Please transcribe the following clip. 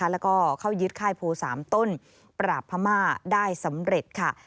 แล้วก็เข้ายึดค่ายโพสามต้นประหลาบพระม่าได้สำเร็จ